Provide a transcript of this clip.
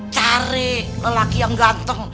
cari lelaki yang ganteng